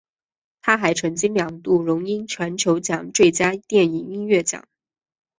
他还曾经两度荣膺金球奖最佳电影音乐奖。